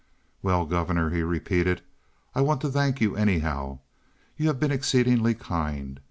"Well, Governor," he repeated, "I want to thank you, anyhow. You have been exceedingly kind.